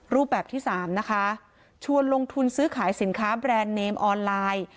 รูปแบบที่สามนะคะชวนลงทุนซื้อขายสินค้าแบรนด์เนมออนไลน์